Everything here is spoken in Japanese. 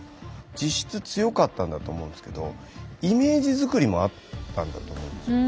実質強かったんだと思うんですけどイメージ作りもあったんだと思うんですよ。